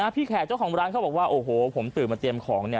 แขกเจ้าของร้านเขาบอกว่าโอ้โหผมตื่นมาเตรียมของเนี่ย